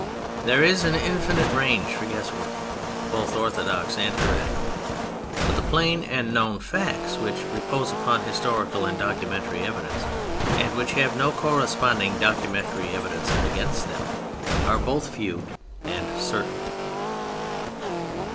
There is an infinite range for guesswork, both orthodox and heretical. But the plain and known facts which repose upon historical and documentary evidence, and which have no corresponding documentary evidence against them, are both few and certain.